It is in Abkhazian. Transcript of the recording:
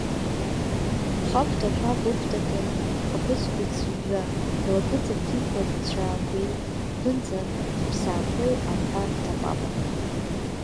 Рхагәҭа ашәакәа ықәтата, рхаԥыцқәа ыҵжәжәа, рлакыҵа ҭиқәа-ҵәаақәеи рԥынҵа хԥсаақәеи ахәа рҭапапа.